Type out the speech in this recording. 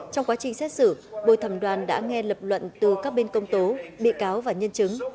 trong quá trình xét xử bồi thẩm đoàn đã nghe lập luận từ các bên công tố bị cáo và nhân chứng